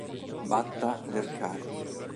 Batta Lercari.